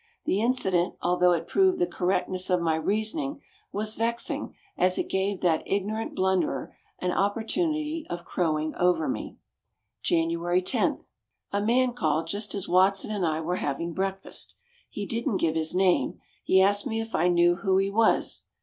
The incident, although it proved the correctness of my reasoning, was vexing as it gave that ignorant blunderer an opportunity of crowing over me. January 10. A man called just as Watson and I were having breakfast. He didn't give his name. He asked me if I knew who he was.